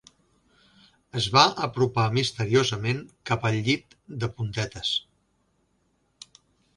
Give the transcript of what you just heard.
Es va apropar misteriosament cap al llit de puntetes.